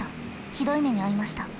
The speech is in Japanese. ひどい目に遭いました。